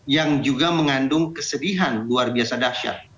yang juga mengandung kesedihan luar biasa dahsyat